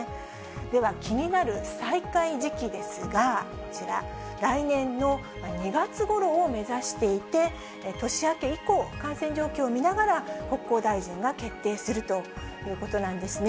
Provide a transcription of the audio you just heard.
では気になる再開時期ですが、こちら、来年の２月ごろを目指していて、年明け以降、感染状況を見ながら、国交大臣が決定するということなんですね。